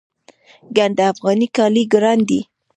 ګنډ افغاني کالي ګران دي